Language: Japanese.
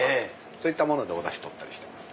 そういったものでおダシ取ったりしてます。